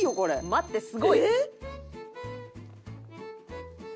待ってすごい！